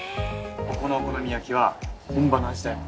ここのお好み焼きは本場の味だよ。